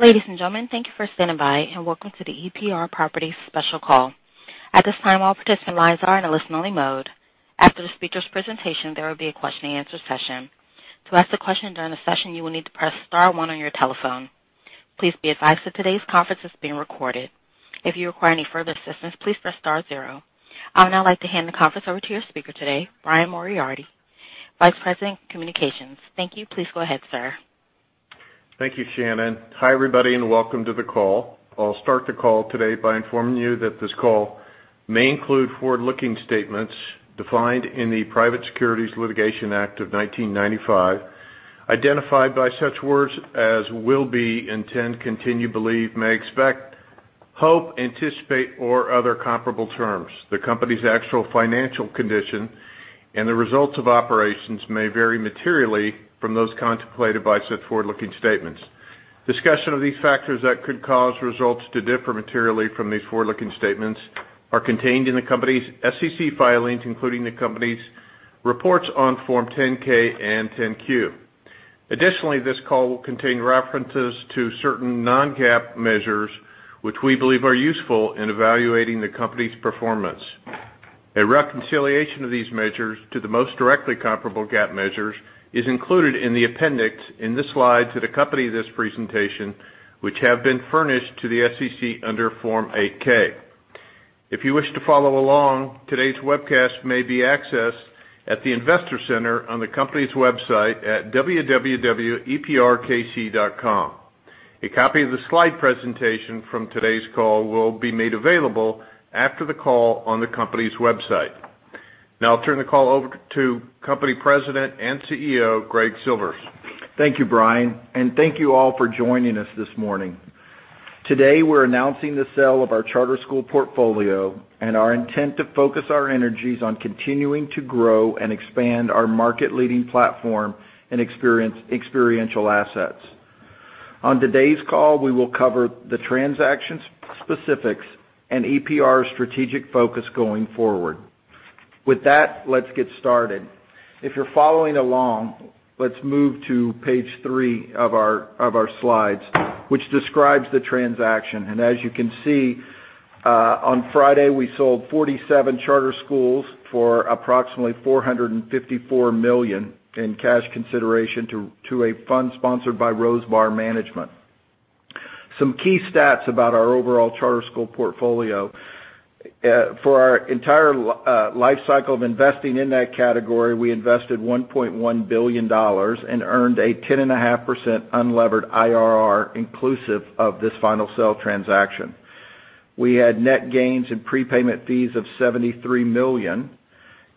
Ladies and gentlemen, thank you for standing by, and welcome to the EPR Properties special call. At this time, all participant lines are in a listen-only mode. After the speakers' presentation, there will be a question-and-answer session. To ask a question during the session, you will need to press star one on your telephone. Please be advised that today's conference is being recorded. If you require any further assistance, please press star zero. I would now like to hand the conference over to your speaker today, Brian Moriarty, Vice President of Communications. Thank you. Please go ahead, sir. Thank you, Shannon. Hi, everybody, and welcome to the call. I'll start the call today by informing you that this call may include forward-looking statements defined in the Private Securities Litigation Reform Act of 1995, identified by such words as will be, intent, continue, believe, may expect, hope, anticipate, or other comparable terms. The company's actual financial condition and the results of operations may vary materially from those contemplated by said forward-looking statements. Discussion of these factors that could cause results to differ materially from these forward-looking statements are contained in the company's SEC filings, including the company's reports on Form 10-K and 10-Q. Additionally, this call will contain references to certain non-GAAP measures which we believe are useful in evaluating the company's performance. A reconciliation of these measures to the most directly comparable GAAP measures is included in the appendix in the slides that accompany this presentation, which have been furnished to the SEC under Form 8-K. If you wish to follow along, today's webcast may be accessed at the investor center on the company's website at www.eprkc.com. A copy of the slide presentation from today's call will be made available after the call on the company's website. Now I'll turn the call over to company President and CEO, Greg Silvers. Thank you, Brian, thank you all for joining us this morning. Today, we're announcing the sale of our charter school portfolio and our intent to focus our energies on continuing to grow and expand our market-leading platform in experiential assets. On today's call, we will cover the transaction specifics and EPR's strategic focus going forward. With that, let's get started. If you're following along, let's move to page three of our slides, which describes the transaction. As you can see, on Friday we sold 47 charter schools for approximately $454 million in cash consideration to a fund sponsored by Rosemawr Management. Some key stats about our overall charter school portfolio. For our entire lifecycle of investing in that category, we invested $1.1 billion and earned a 10.5% unlevered IRR inclusive of this final sale transaction. We had net gains in prepayment fees of $73 million,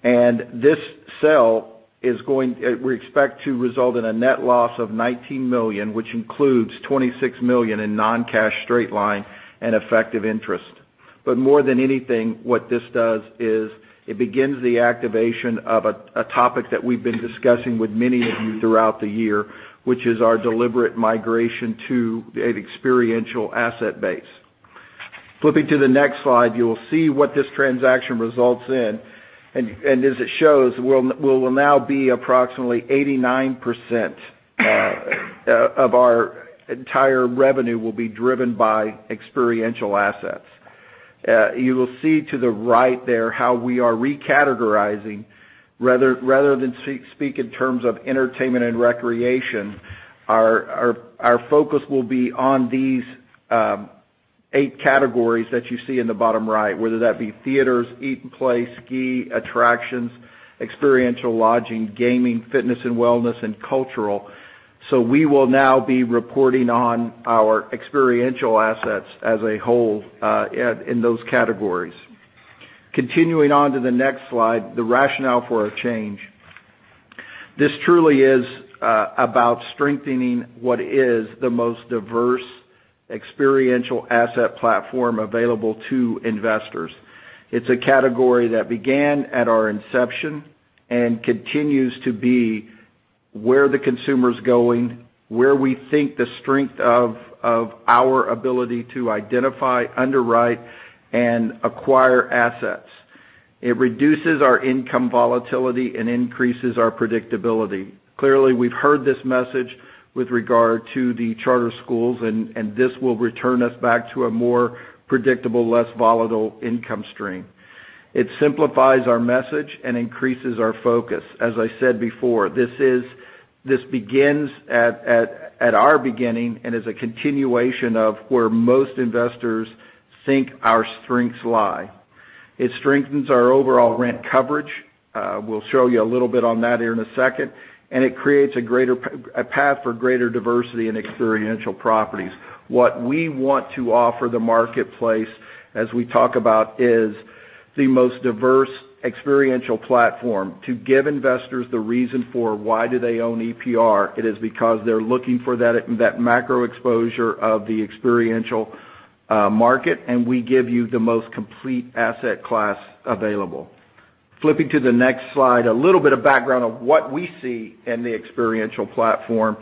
and this sale, we expect to result in a net loss of $19 million, which includes $26 million in non-cash straight line and effective interest. More than anything, what this does is it begins the activation of a topic that we've been discussing with many of you throughout the year, which is our deliberate migration to an experiential asset base. Flipping to the next slide, you will see what this transaction results in. As it shows, we will now be approximately 89% of our entire revenue will be driven by experiential assets. You will see to the right there how we are recategorizing. Rather than speak in terms of entertainment and recreation, our focus will be on these eight categories that you see in the bottom right, whether that be theaters, eat and play, Ski, Attractions, Experiential Lodging, Gaming, Fitness & Wellness, and Cultural. We will now be reporting on our experiential assets as a whole in those categories. Continuing on to the next slide, the rationale for a change. This truly is about strengthening what is the most diverse experiential asset platform available to investors. It's a category that began at our inception and continues to be where the consumer's going, where we think the strength of our ability to identify, underwrite, and acquire assets. It reduces our income volatility and increases our predictability. Clearly, we've heard this message with regard to the charter schools, and this will return us back to a more predictable, less volatile income stream. It simplifies our message and increases our focus. As I said before, this begins at our beginning and is a continuation of where most investors think our strengths lie. It strengthens our overall rent coverage. We'll show you a little bit on that here in a second. It creates a path for greater diversity in experiential properties. What we want to offer the marketplace, as we talk about, is the most diverse experiential platform to give investors the reason for why do they own EPR. It is because they're looking for that macro exposure of the experiential market, and we give you the most complete asset class available. Flipping to the next slide, a little bit of background on what we see in the experiential platform.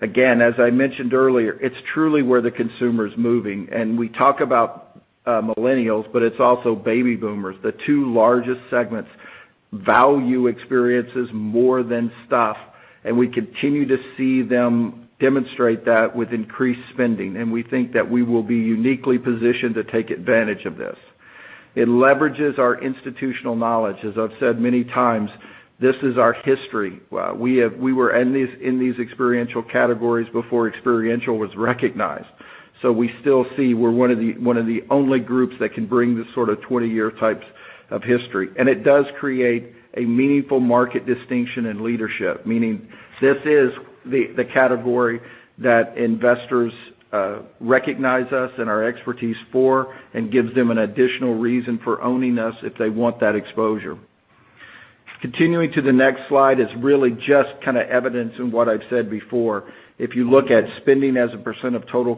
Again, as I mentioned earlier, it's truly where the consumer's moving. We talk about millennials, but it's also baby boomers, the two largest segments value experiences more than stuff, and we continue to see them demonstrate that with increased spending. We think that we will be uniquely positioned to take advantage of this. It leverages our institutional knowledge. As I've said many times, this is our history. We were in these experiential categories before experiential was recognized. We still see we're one of the only groups that can bring this sort of 20-year types of history, and it does create a meaningful market distinction in leadership, meaning this is the category that investors recognize us and our expertise for and gives them an additional reason for owning us if they want that exposure. Continuing to the next slide is really just kind of evidence in what I've said before. If you look at spending as a % of total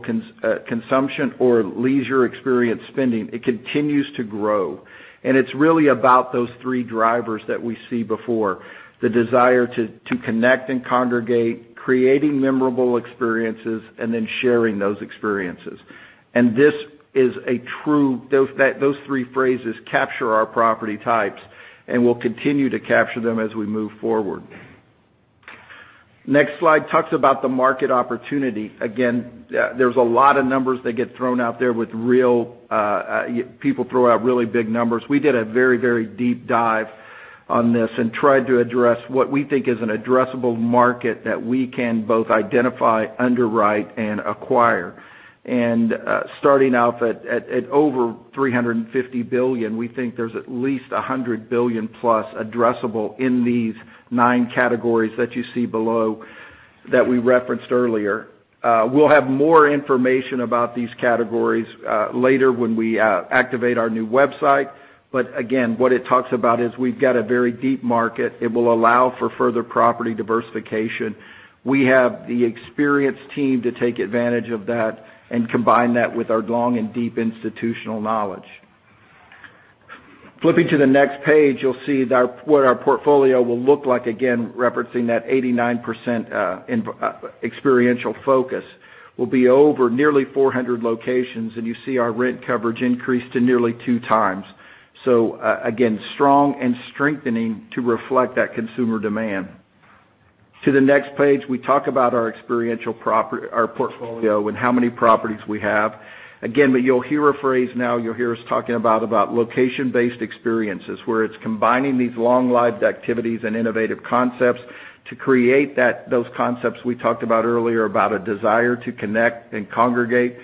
consumption or leisure experience spending, it continues to grow. It's really about those three drivers that we see before, the desire to connect and congregate, creating memorable experiences, and then sharing those experiences. Those three phrases capture our property types, and will continue to capture them as we move forward. Next slide talks about the market opportunity. Again, there's a lot of numbers that get thrown out there with real people throw out really big numbers. We did a very deep dive on this and tried to address what we think is an addressable market that we can both identify, underwrite, and acquire. Starting out at over $350 billion, we think there's at least $100 billion plus addressable in these 9 categories that you see below that we referenced earlier. We'll have more information about these categories later when we activate our new website. Again, what it talks about is we've got a very deep market. It will allow for further property diversification. We have the experienced team to take advantage of that and combine that with our long and deep institutional knowledge. Flipping to the next page, you'll see what our portfolio will look like, again, referencing that 89% experiential focus will be over nearly 400 locations, and you see our rent coverage increase to nearly two times. Again, strong and strengthening to reflect that consumer demand. To the next page, we talk about our experiential portfolio and how many properties we have. You'll hear a phrase now, you'll hear us talking about location-based experiences, where it's combining these long-lived activities and innovative concepts to create those concepts we talked about earlier, about a desire to connect and congregate,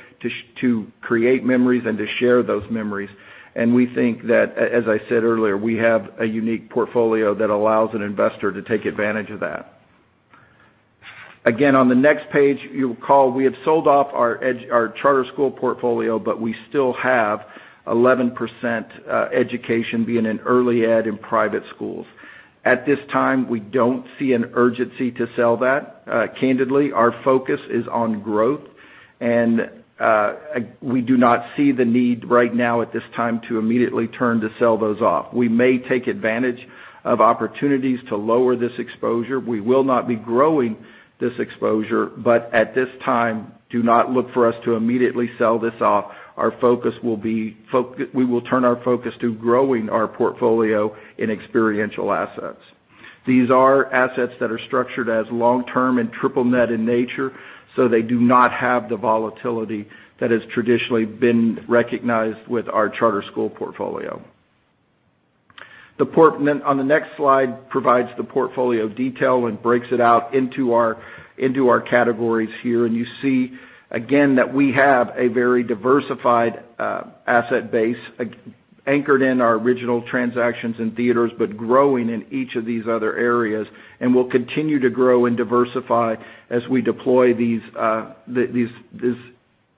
to create memories, and to share those memories. We think that, as I said earlier, we have a unique portfolio that allows an investor to take advantage of that. On the next page, you'll recall we have sold off our charter school portfolio, but we still have 11% education being in early ed and private schools. At this time, we don't see an urgency to sell that. Candidly, our focus is on growth, and we do not see the need right now at this time to immediately turn to sell those off. We may take advantage of opportunities to lower this exposure. We will not be growing this exposure, but at this time, do not look for us to immediately sell this off. We will turn our focus to growing our portfolio in experiential assets. These are assets that are structured as long-term and triple net in nature, so they do not have the volatility that has traditionally been recognized with our charter school portfolio. On the next slide provides the portfolio detail and breaks it out into our categories here, and you see, again, that we have a very diversified asset base anchored in our original transactions in theaters, but growing in each of these other areas. Will continue to grow and diversify as we deploy these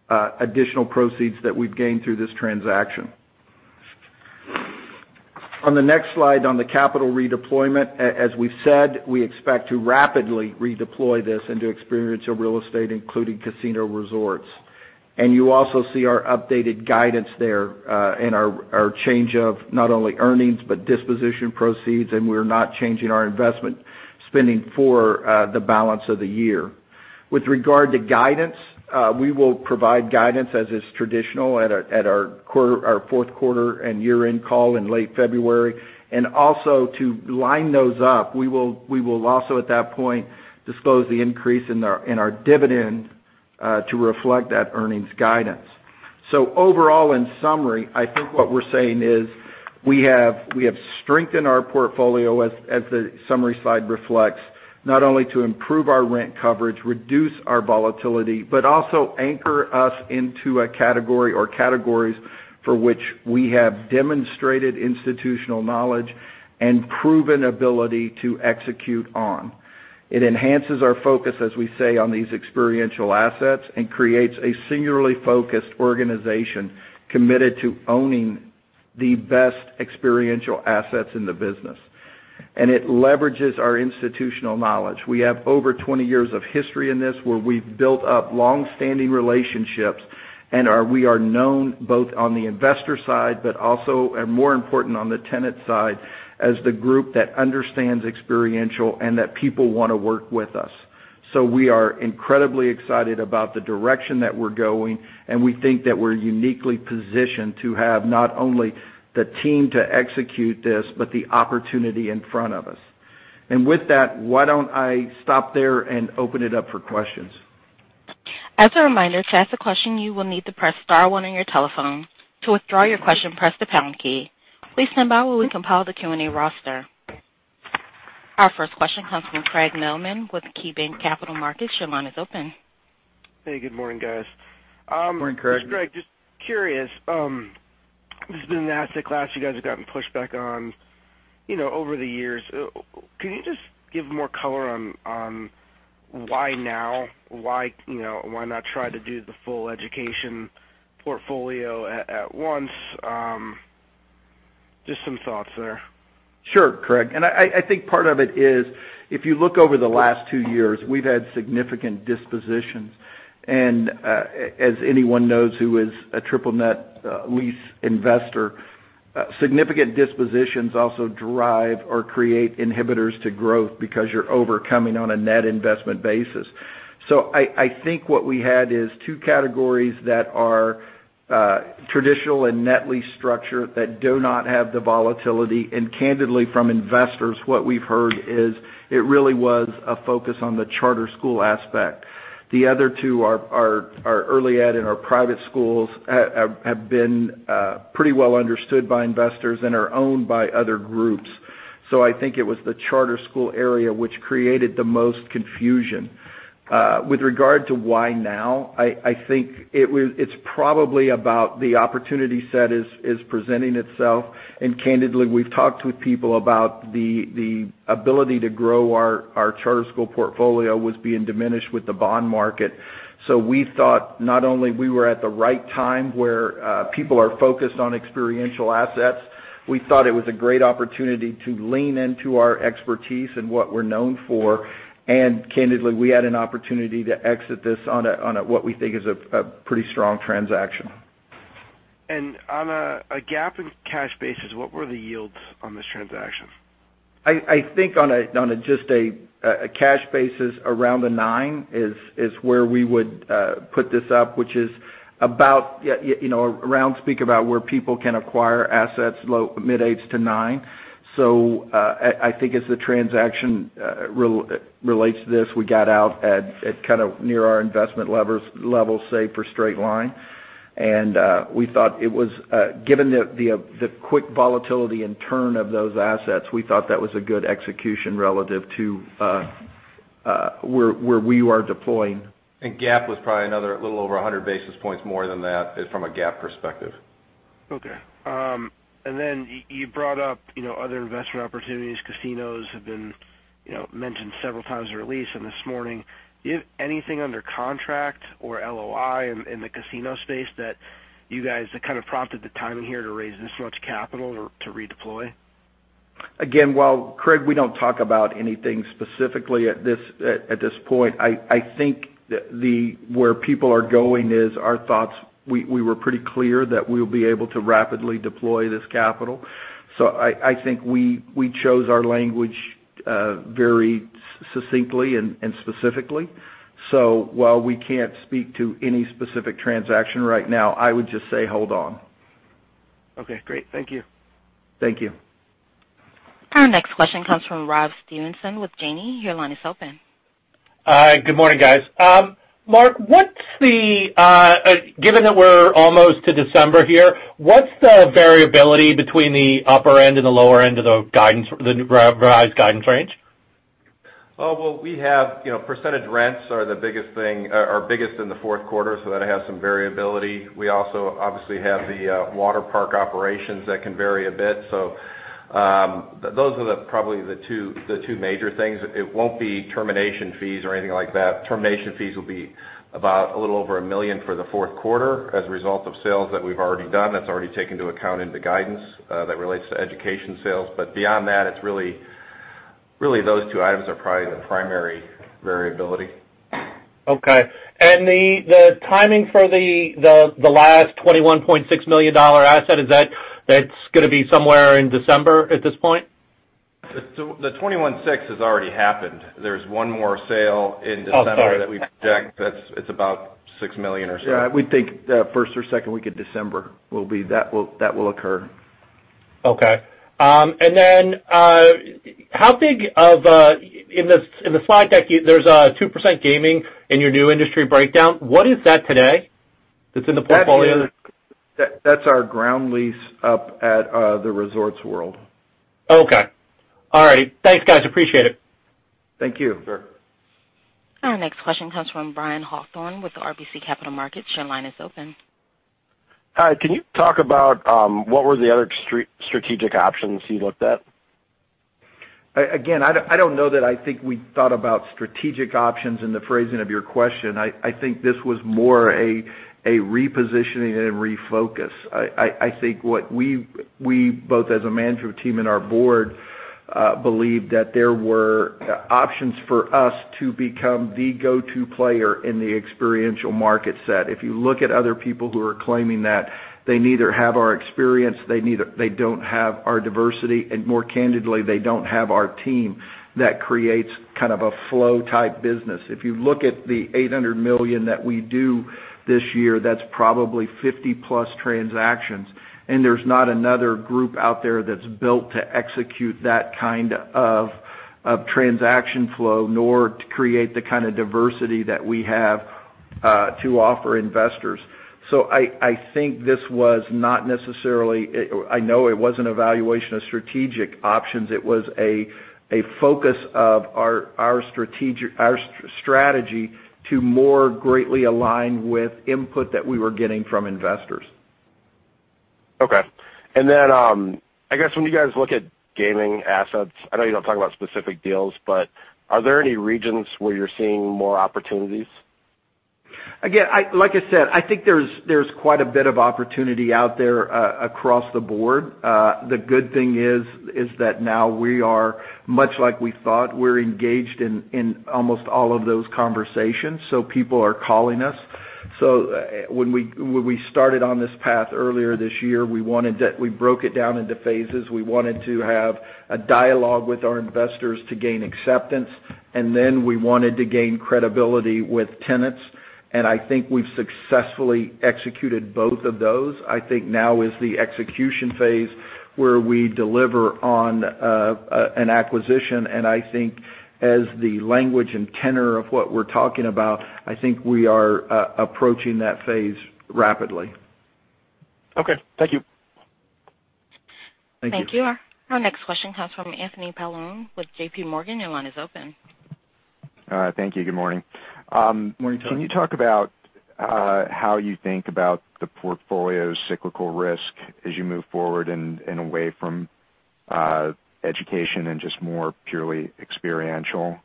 additional proceeds that we've gained through this transaction. On the next slide, on the capital redeployment, as we've said, we expect to rapidly redeploy this into experiential real estate, including casino resorts. You also see our updated guidance there, and our change of not only earnings, but disposition proceeds, and we're not changing our investment spending for the balance of the year. With regard to guidance, we will provide guidance as is traditional at our fourth quarter and year-end call in late February. Also to line those up, we will also at that point disclose the increase in our dividend to reflect that earnings guidance. Overall, in summary, I think what we're saying is we have strengthened our portfolio, as the summary slide reflects, not only to improve our rent coverage, reduce our volatility, but also anchor us into a category or categories for which we have demonstrated institutional knowledge and proven ability to execute on. It enhances our focus, as we say, on these experiential assets and creates a singularly focused organization committed to owning the best experiential assets in the business. It leverages our institutional knowledge. We have over 20 years of history in this, where we've built up long-standing relationships, and we are known both on the investor side, but also, and more important, on the tenant side, as the group that understands experiential and that people want to work with us. We are incredibly excited about the direction that we're going, and we think that we're uniquely positioned to have not only the team to execute this, but the opportunity in front of us. With that, why don't I stop there and open it up for questions? As a reminder, to ask a question, you will need to press star one on your telephone. To withdraw your question, press the pound key. Please stand by while we compile the Q&A roster. Our first question comes from Craig Mailman with KeyBanc Capital Markets. Your line is open. Hey, good morning, guys. Morning, Craig. This is Craig. Just curious, this has been an asset class you guys have gotten pushed back on over the years. Can you just give more color on why now? Why not try to do the full education portfolio at once? Just some thoughts there. Sure, Craig. I think part of it is, if you look over the last two years, we've had significant dispositions. As anyone knows who is a triple net lease investor, significant dispositions also drive or create inhibitors to growth because you're overcoming on a net investment basis. I think what we had is two categories that are traditional and net lease structure that do not have the volatility, and candidly, from investors, what we've heard is it really was a focus on the charter school aspect. The other two are our early ed and our private schools, have been pretty well understood by investors and are owned by other groups. I think it was the charter school area which created the most confusion. With regard to why now, I think it's probably about the opportunity set is presenting itself, and candidly, we've talked with people about the ability to grow our charter school portfolio was being diminished with the bond market. We thought not only we were at the right time, where people are focused on experiential assets, we thought it was a great opportunity to lean into our expertise and what we're known for. Candidly, we had an opportunity to exit this on a, what we think is a pretty strong transaction. On a GAAP in cash basis, what were the yields on this transaction? I think on a just a cash basis around the 9 is where we would put this up, which is about around speak about where people can acquire assets, low-mid 8-9. I think as the transaction relates to this, we got out at kind of near our investment level, say, for straight line. We thought it was given the quick volatility and turn of those assets, we thought that was a good execution relative to where we are deploying. GAAP was probably another little over 100 basis points more than that from a GAAP perspective. Okay. You brought up other investment opportunities. Casinos have been mentioned several times in the release and this morning. Do you have anything under contract or LOI in the casino space that you guys kind of prompted the timing here to raise this much capital or to redeploy? While, Craig, we don't talk about anything specifically at this point, I think where people are going is our thoughts. We were pretty clear that we'll be able to rapidly deploy this capital. I think we chose our language very succinctly and specifically. While we can't speak to any specific transaction right now, I would just say hold on. Okay, great. Thank you. Thank you. Our next question comes from Robert Stevenson with Janney. Your line is open. Hi. Good morning, guys. Mark, given that we're almost to December here, what's the variability between the upper end and the lower end of the revised guidance range? Well, percentage rents are biggest in the fourth quarter, that has some variability. We also obviously have the water park operations that can vary a bit. Those are probably the two major things. It won't be termination fees or anything like that. Termination fees will be about a little over $1 million for the fourth quarter as a result of sales that we've already done. That's already taken into account in the guidance that relates to education sales. Beyond that, it's really those two items are probably the primary variability. Okay. The timing for the last $21.6 million asset, that's going to be somewhere in December at this point? The $21.6 has already happened. There's one more sale in December. Oh, sorry. that we project. It's about $6 million or so. Yeah, we think the first or second week of December that will occur. Okay. In the slide deck, there's a 2% Gaming in your new industry breakdown. What is that today that's in the portfolio? That's our ground lease up at the Resorts World. Okay. All right. Thanks, guys, appreciate it. Thank you. Sure. Our next question comes from Brian Hawthorne with RBC Capital Markets. Your line is open. Hi, can you talk about what were the other strategic options you looked at? I don't know that I think we thought about strategic options in the phrasing of your question. I think this was more a repositioning and refocus. I think what we, both as a management team and our board, I believe that there were options for us to become the go-to player in the experiential market set. If you look at other people who are claiming that, they neither have our experience, they don't have our diversity, and more candidly, they don't have our team that creates kind of a flow-type business. If you look at the $800 million that we do this year, that's probably 50-plus transactions, there's not another group out there that's built to execute that kind of transaction flow, nor to create the kind of diversity that we have to offer investors. I think this was not necessarily I know it wasn't evaluation of strategic options. It was a focus of our strategy to more greatly align with input that we were getting from investors. Okay. I guess when you guys look at Gaming assets, I know you don't talk about specific deals, but are there any regions where you're seeing more opportunities? Again, like I said, I think there's quite a bit of opportunity out there across the board. The good thing is that now we are much like we thought. We're engaged in almost all of those conversations, so people are calling us. When we started on this path earlier this year, we broke it down into phases. We wanted to have a dialogue with our investors to gain acceptance, and then we wanted to gain credibility with tenants, and I think we've successfully executed both of those. I think now is the execution phase, where we deliver on an acquisition. I think as the language and tenor of what we're talking about, I think we are approaching that phase rapidly. Okay. Thank you. Thank you. Thank you. Our next question comes from Anthony Paolone with JPMorgan. Your line is open. Thank you. Good morning. Morning, Tony. Can you talk about how you think about the portfolio cyclical risk as you move forward and away from education and just more purely experiential?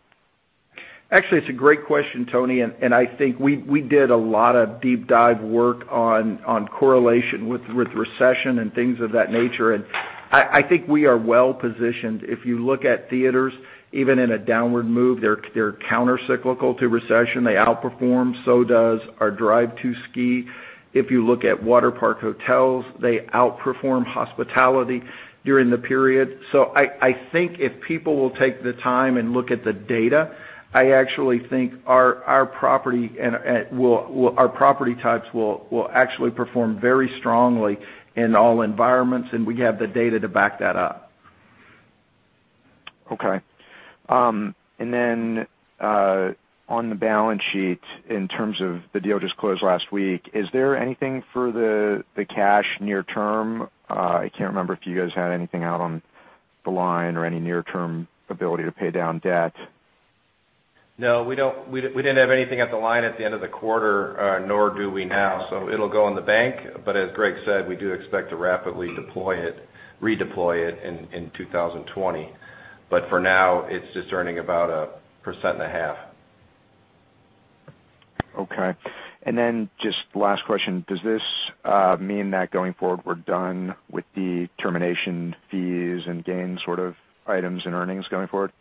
Actually, it's a great question, Tony. I think we did a lot of deep dive work on correlation with recession and things of that nature. I think we are well-positioned. If you look at theaters, even in a downward move, they're countercyclical to recession. They outperform, so does our drive to Ski. If you look at water park hotels, they outperform hospitality during the period. I think if people will take the time and look at the data, I actually think our property types will actually perform very strongly in all environments. We have the data to back that up. Okay. On the balance sheet, in terms of the deal just closed last week, is there anything for the cash near term? I can't remember if you guys had anything out on the line or any near-term ability to pay down debt. No, we didn't have anything at the line at the end of the quarter, nor do we now. It'll go in the bank, but as Greg said, we do expect to rapidly deploy it, redeploy it in 2020. For now, it's just earning about 1.5%. Okay. Just last question, does this mean that going forward, we're done with the termination fees and gain sort of items and earnings going forward?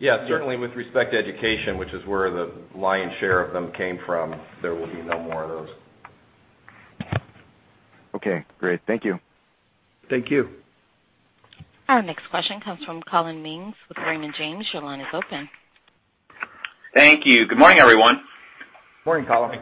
Certainly with respect to education, which is where the lion's share of them came from, there will be no more of those. Okay, great. Thank you. Thank you. Our next question comes from Collin Mings with Raymond James. Your line is open. Thank you. Good morning, everyone. Morning, Collin.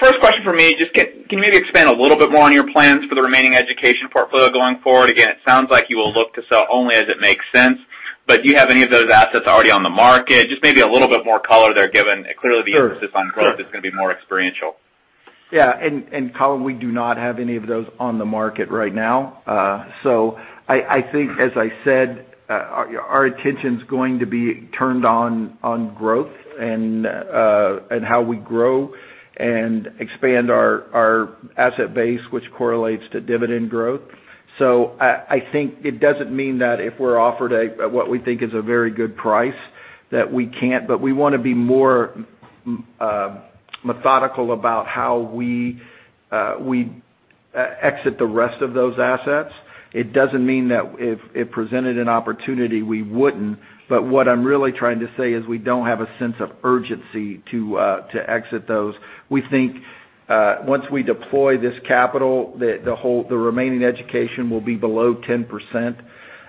First question for me, can you maybe expand a little bit more on your plans for the remaining education portfolio going forward? Again, it sounds like you will look to sell only as it makes sense, but do you have any of those assets already on the market? Just maybe a little bit more color there, given clearly the emphasis on growth is going to be more experiential. Yeah. Collin Mings, we do not have any of those on the market right now. I think as I said, our attention's going to be turned on growth and how we grow and expand our asset base, which correlates to dividend growth. I think it doesn't mean that if we're offered what we think is a very good price that we can't, but we want to be more methodical about how we exit the rest of those assets. It doesn't mean that if it presented an opportunity, we wouldn't. What I'm really trying to say is we don't have a sense of urgency to exit those. We think once we deploy this capital, the remaining education will be below 10%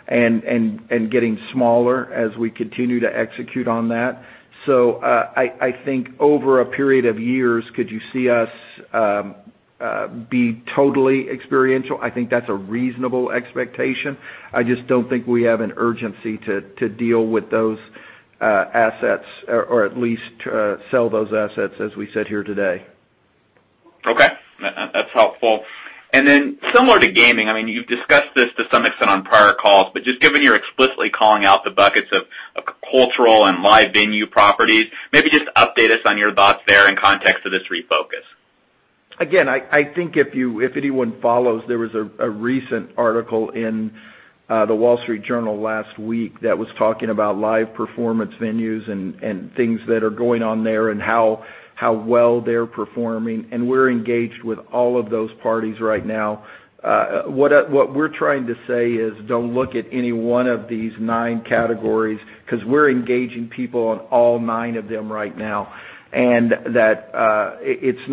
and getting smaller as we continue to execute on that. I think over a period of years, could you see us be totally experiential? I think that's a reasonable expectation. I just don't think we have an urgency to deal with those assets or at least sell those assets as we sit here today. Okay. That's helpful. Then similar to Gaming, you've discussed this to some extent on prior calls, but just given you're explicitly calling out the buckets of Cultural and live venue properties, maybe just update us on your thoughts there in context of this refocus. I think if anyone follows, there was a recent article in The Wall Street Journal last week that was talking about live performance venues and things that are going on there, and how well they're performing. We're engaged with all of those parties right now. What we're trying to say is don't look at any one of these 9 categories because we're engaging people on all 9 of them right now, and that it's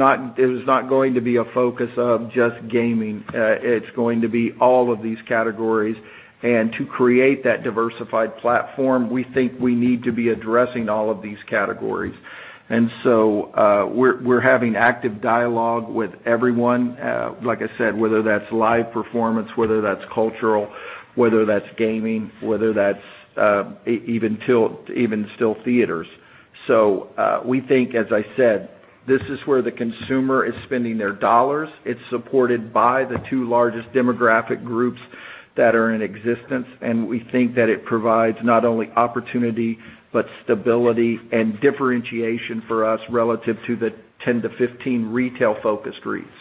not going to be a focus of just Gaming. It's going to be all of these categories. To create that diversified platform, we think we need to be addressing all of these categories. We're having active dialogue with everyone, like I said, whether that's live performance, whether that's Cultural, whether that's Gaming, whether that's even still theaters. We think, as I said, this is where the consumer is spending their dollars. It's supported by the two largest demographic groups that are in existence, and we think that it provides not only opportunity, but stability and differentiation for us relative to the 10 to 15 retail-focused REITs.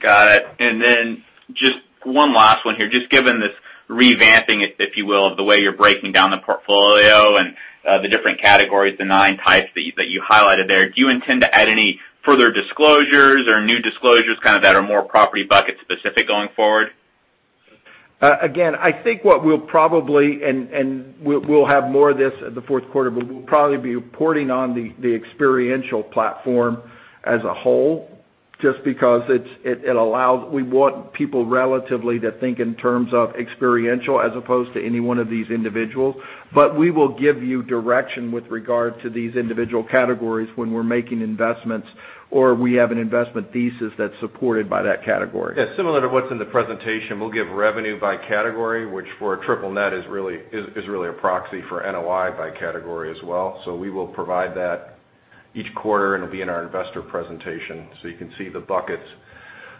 Got it. Then just one last one here. Just given this revamping, if you will, of the way you're breaking down the portfolio and the different categories, the 9 types that you highlighted there, do you intend to add any further disclosures or new disclosures, kind of that are more property bucket specific going forward? I think what we'll probably and we'll have more of this at the fourth quarter, we'll probably be reporting on the Experiential platform as a whole just because we want people relatively to think in terms of Experiential as opposed to any one of these individuals. We will give you direction with regard to these individual categories when we're making investments, or we have an investment thesis that's supported by that category. Similar to what's in the presentation. We'll give revenue by category, which for a triple net is really a proxy for NOI by category as well. We will provide that each quarter, and it'll be in our investor presentation, so you can see the buckets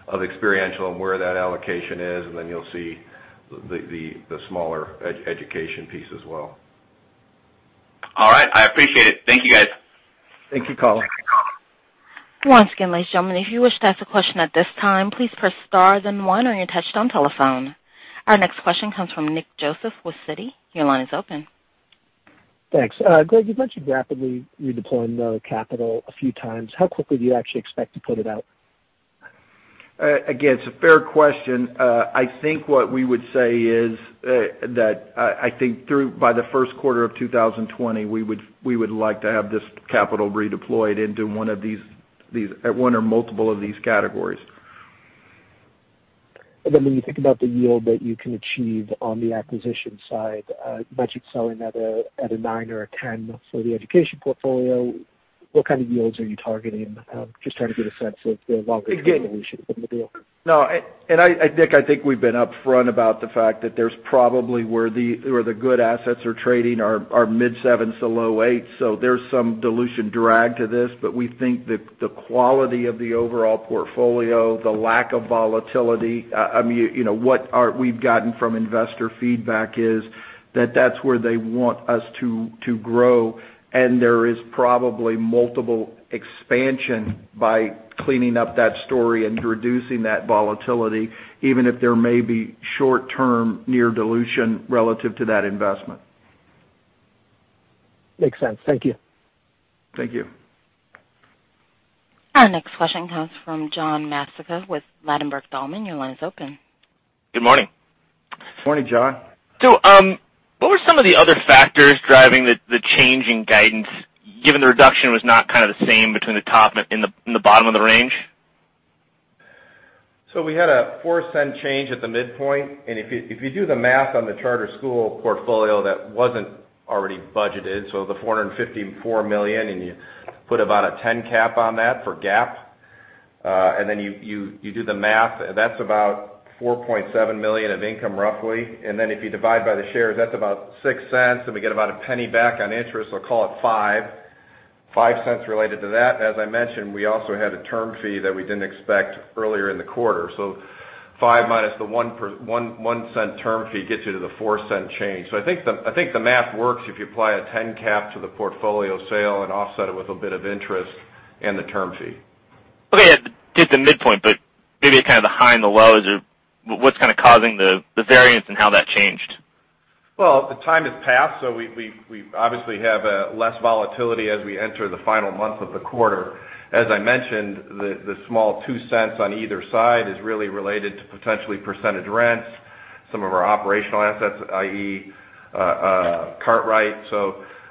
of experiential and where that allocation is. You'll see the smaller education piece as well. All right, I appreciate it. Thank you, guys. Thank you, Collin. Once again, ladies and gentlemen, if you wish to ask a question at this time, please press star then one on your touch-tone telephone. Our next question comes from Nick Joseph with Citi. Your line is open. Thanks. Greg, you mentioned rapidly redeploying the capital a few times. How quickly do you actually expect to put it out? Again, it's a fair question. I think what we would say is that I think by the first quarter of 2020, we would like to have this capital redeployed into one or multiple of these categories. When you think about the yield that you can achieve on the acquisition side, you mentioned selling at a nine or a 10 for the education portfolio. What kind of yields are you targeting? Just trying to get a sense of the longer-term evolution from the deal. No. Nick, I think we've been upfront about the fact that there's probably where the good assets are trading are mid sevens to low eights. There's some dilution drag to this. We think that the quality of the overall portfolio, the lack of volatility, what we've gotten from investor feedback is that that's where they want us to grow. There is probably multiple expansion by cleaning up that story and reducing that volatility even if there may be short-term near dilution relative to that investment. Makes sense. Thank you. Thank you. Our next question comes from John Massocca with Ladenburg Thalmann. Your line is open. Good morning. Morning, John. What were some of the other factors driving the change in guidance, given the reduction was not kind of the same between the top and the bottom of the range? We had a $0.04 change at the midpoint. If you do the math on the charter school portfolio, that wasn't already budgeted. The $454 million, and you put about a 10 cap on that for GAAP, then you do the math, that's about $4.7 million of income roughly. Then if you divide by the shares, that's about $0.06, and we get about a $0.01 back on interest, call it $0.05 related to that. As I mentioned, we also had a term fee that we didn't expect earlier in the quarter. Five minus the $0.01 term fee gets you to the $0.04 change. I think the math works if you apply a 10 cap to the portfolio sale and offset it with a bit of interest and the term fee. Okay, did the midpoint, but maybe kind of the high and the lows are What's kind of causing the variance and how that changed? Well, the time has passed, so we obviously have less volatility as we enter the final month of the quarter. As I mentioned, the small $0.02 on either side is really related to potentially percentage rents, some of our operational assets, i.e., Kartrite.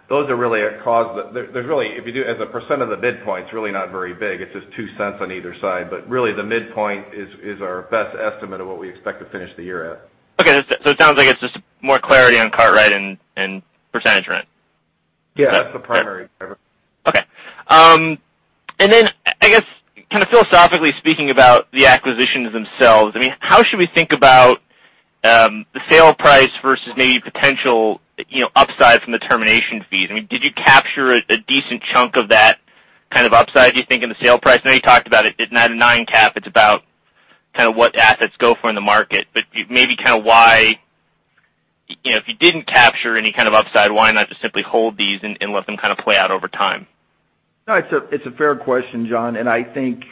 Those are really a cause. As a % of the midpoint, it's really not very big. It's just $0.02 on either side. Really, the midpoint is our best estimate of what we expect to finish the year at. Okay. It sounds like it's just more clarity on Cartwright and percentage rent. Yeah, that's the primary driver. Okay. I guess kind of philosophically speaking about the acquisitions themselves. How should we think about the sale price versus maybe potential upside from the termination fees? Did you capture a decent chunk of that kind of upside, do you think, in the sale price? I know you talked about it's not a nine cap. It's about kind of what assets go for in the market. Maybe kind of why if you didn't capture any kind of upside, why not just simply hold these and let them kind of play out over time? No, it's a fair question, John. I think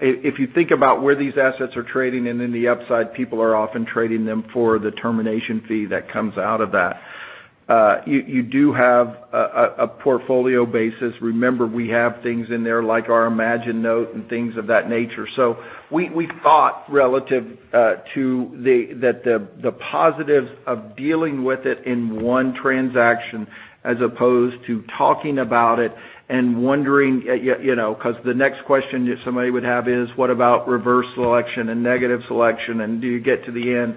if you think about where these assets are trading and in the upside, people are often trading them for the termination fee that comes out of that. You do have a portfolio basis. Remember, we have things in there like our Imagine note and things of that nature. We thought relative to the positives of dealing with it in one transaction as opposed to talking about it and wondering, because the next question somebody would have is, what about reverse selection and negative selection, and do you get to the end?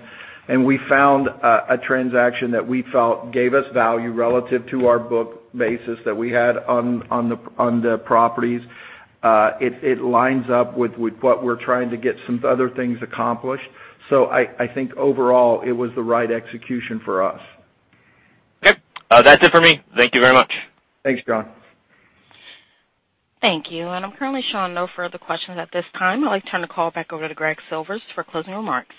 We found a transaction that we felt gave us value relative to our book basis that we had on the properties. It lines up with what we're trying to get some other things accomplished. I think overall, it was the right execution for us. Okay. That's it for me. Thank you very much. Thanks, John. Thank you. I'm currently showing no further questions at this time. I'd like to turn the call back over to Gregory Silvers for closing remarks.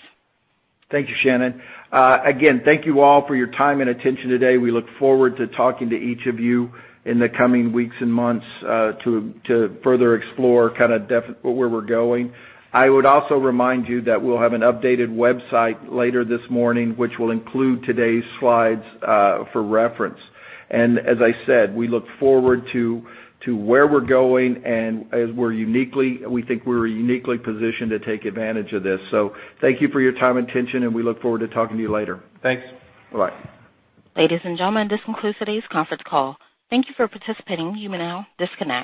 Thank you, Shannon. Again, thank you all for your time and attention today. We look forward to talking to each of you in the coming weeks and months to further explore kind of where we're going. I would also remind you that we'll have an updated website later this morning, which will include today's slides for reference. As I said, we look forward to where we're going, and we think we're uniquely positioned to take advantage of this. Thank you for your time and attention, and we look forward to talking to you later. Thanks. Bye. Ladies and gentlemen, this concludes today's conference call. Thank you for participating. You may now disconnect.